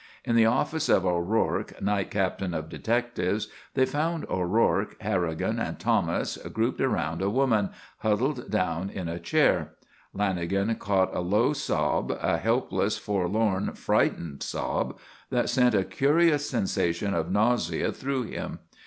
In the office of O'Rourke, night captain of detectives, they found O'Rourke, Harrigan and Thomas grouped around a woman, huddled down on a chair. Lanagan caught a low sob, a helpless, forlorn, frightened sob, that sent a curious sensation of nausea through him.